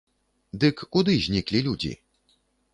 Дык куды зніклі людзі?